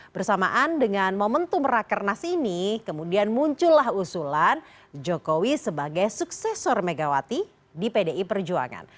bersamaan dengan momentum rakernas ini kemudian muncullah usulan jokowi sebagai suksesor megawati di pdi perjuangan